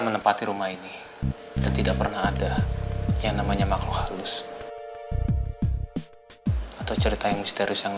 menempati rumah ini itu tidak pernah ada yang namanya makro halus atau cerita yang misterius yang